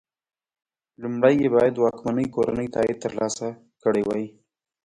لومړی یې باید د واکمنې کورنۍ تایید ترلاسه کړی وای.